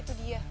itu dia kei